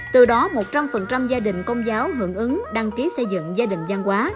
từ đó một trăm linh gia đình công giáo hưởng ứng đăng ký xây dựng gia đình gian hóa